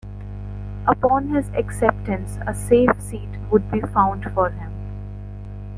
Upon his acceptance a safe seat would be found for him.